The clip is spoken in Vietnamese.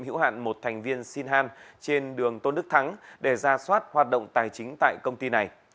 hữu hạn một thành viên sinh han trên đường tôn đức thắng để ra soát hoạt động tài chính tại công ty này